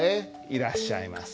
「いらっしゃいます」。